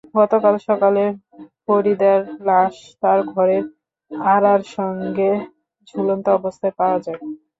গতকাল সকালে ফরিদার লাশ তাঁর ঘরের আড়ার সঙ্গে ঝুলন্ত অবস্থায় পাওয়া যায়।